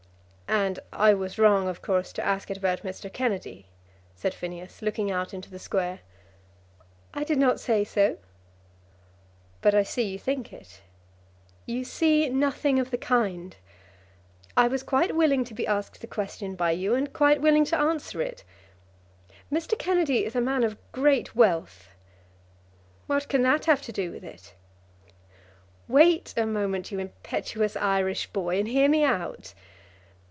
"And I was wrong, of course, to ask it about Mr. Kennedy," said Phineas, looking out into the Square. "I did not say so." "But I see you think it." "You see nothing of the kind. I was quite willing to be asked the question by you, and quite willing to answer it. Mr. Kennedy is a man of great wealth." "What can that have to do with it?" "Wait a moment, you impetuous Irish boy, and hear me out."